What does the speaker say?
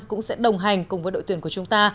cũng sẽ đồng hành cùng với đội tuyển của chúng ta